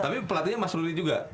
tapi pelatihnya mas ruli juga